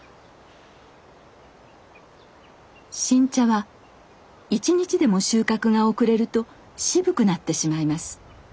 新茶は１日でも収穫が遅れると渋くなってしまいます。